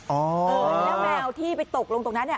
แล้วแมวที่ไปตกลงตรงนั้น